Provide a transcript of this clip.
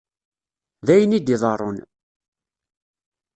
D ayen i d-iḍeṛṛun.